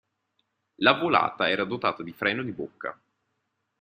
La volata era dotata di freno di bocca.